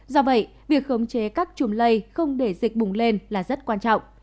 do vậy việc khống chế các chùm lây không để dịch bùng lên là rất quan trọng